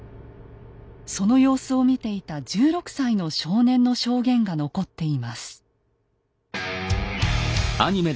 その様子を見ていた１６歳の少年の証言が残っています。